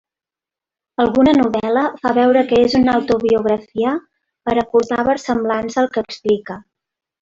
Alguna novel·la fa veure que és una autobiografia per aportar versemblança al que explica.